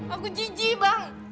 aku jijik bang